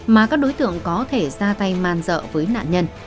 mà các đối tượng có thể ra tay man dợ với nạn nhân